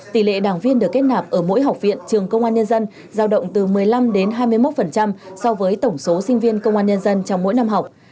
tỷ lệ đảng viên được kết nạp ở mỗi học viện trường công an nhân dân giao động từ một mươi năm đến hai mươi một so với tổng số sinh viên công an nhân dân trong mỗi năm học